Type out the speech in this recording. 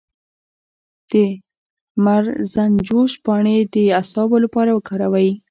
د مرزنجوش پاڼې د اعصابو لپاره وکاروئ